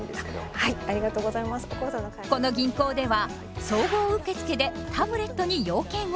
この銀行では総合受付でタブレットに用件を入力。